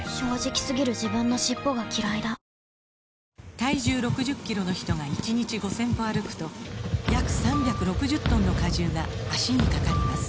体重６０キロの人が１日５０００歩歩くと約３６０トンの荷重が脚にかかります